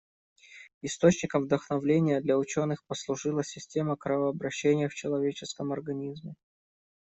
Источником вдохновения для учёных послужила система кровообращения в человеческом организме.